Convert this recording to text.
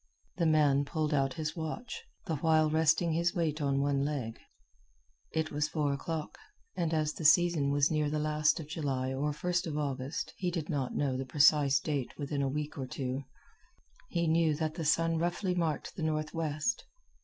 The man pulled out his watch, the while resting his weight on one leg. It was four o'clock, and as the season was near the last of July or first of August, he did not know the precise date within a week or two, he knew that the sun roughly marked the northwest.